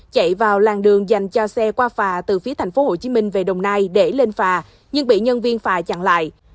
chạy vào làng đường dành cho xe qua phà từ phía tp hcm về đồng nai để lên phà nhưng bị nhân viên phà chặn lại